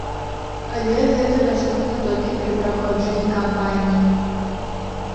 Але гэта даступна толькі пры праходжанні кампаніі.